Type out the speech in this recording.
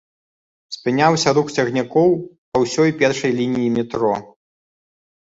Спыняўся рух цягнікоў па ўсёй першай лініі метро.